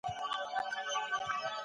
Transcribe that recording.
ما په غنموکې ثره وشیندله